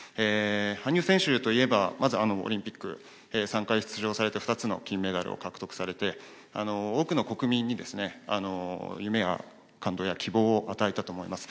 羽生選手といえば、まずオリンピック、３回出場されて２つの金メダルを獲得されて、多く国民に夢や感動や希望を与えたと思います。